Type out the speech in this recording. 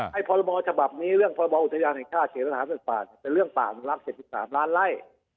ให้ปรบฉบับนี้เรื่องปรบอุทยาลัยศาสตร์เฉพาะเป็นเรื่องต่างหลัก๗๓ล้านไร้